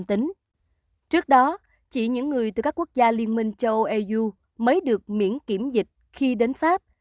trước đó chỉ những người từ các quốc gia liên minh châu âu eu mới được miễn kiểm dịch khi đến pháp